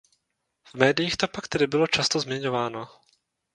V médiích to pak tedy bylo často zmiňováno.